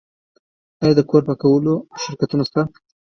آیا د کور پاکولو شرکتونه شته؟